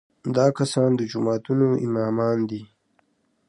دا کسان د جوماتونو امامان دي.